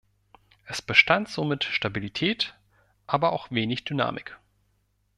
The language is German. Es bestand somit Stabilität, aber auch wenig Dynamik.